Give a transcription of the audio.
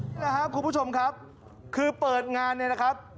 นี่แหละครับคุณผู้ชมครับคือเปิดงานเนี่ยนะครับ